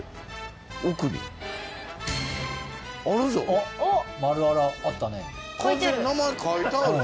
あっ丸荒あったね。